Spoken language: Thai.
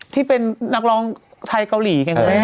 ที่เป็นนักร้องไทยเกาหลี